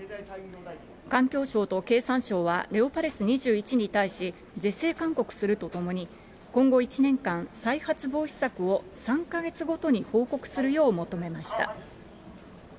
環境省と経産省はレオパレス２１に対し、是正勧告するとともに今後１年間、再発防止策を３か月ごとに報告するよう求めました。